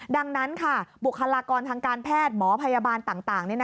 ดังนั้นค่ะบุคลากรทางการแพทย์หมอพยาบาลต่าง